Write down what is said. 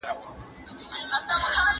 کار د ډلې لخوا ترسره کېږي!